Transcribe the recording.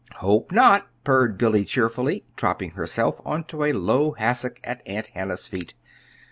"Hope not," purred Billy cheerfully, dropping herself on to a low hassock at Aunt Hannah's feet.